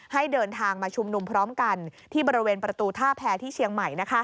ให้เดินทางมาชุมนุมพร้อมกันที่บริเวณประตูท่าแพรที่เชียงใหม่